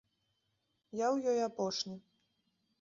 Я ў ёй апошні.